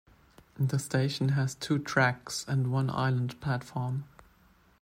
The station has two tracks and one island platform.